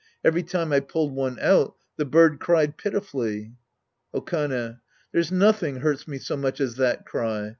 Every time I pulled one out, the bird cried pitifully. Okane. There's nothing hurts me so much as that cry.